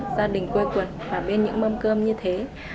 gia đình quê quần vào bên những mâm cơm như thế